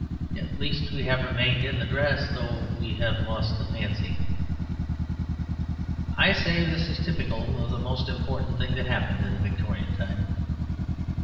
At least, we have remained in the dress, though we have lost the fancy. I say this is typical of the most important thing that happened in the Victorian time.